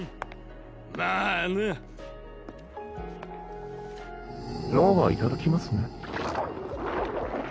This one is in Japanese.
まあな脳はいただきますね